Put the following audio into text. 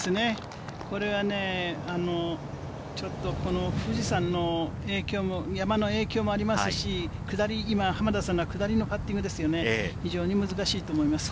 これはちょっと富士山の山の影響もありますし、下り、今、濱田さんが下りのパッティングですよね、非常に難しいと思います。